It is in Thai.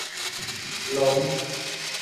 ล้ม